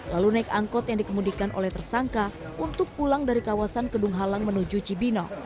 lalu naik angkot yang dikemudikan oleh tersangka untuk pulang dari kawasan kedung halang menuju cibino